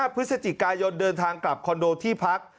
พฤศจิกายนเดินทางกลับคอนโดที่พัก